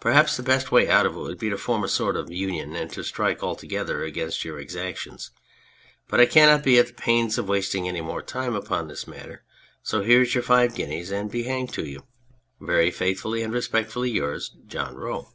Perhaps the best way out of it would be to form a sort of union and to strike all together against your exactions ; but I cannot be at the pains of wasting any more time upon the matter, so here's your five guineas and be hanged to you ! Very faithfully and respectfully yours, JOHN ROE.